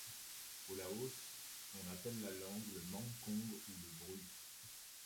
Au Laos, on appelle la langue le mangkong ou le bru.